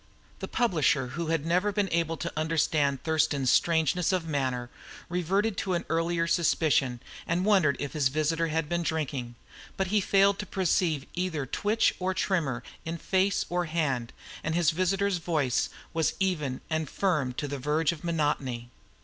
The publisher, who had never been able to understand Thurston's strangeness of manner, reverted to an earlier suspicion, and wondered if his visitor had been drinking; but he failed to perceive either twitch or tremor in face or hand, and his visitor's voice was even and firm to the verge of monotony.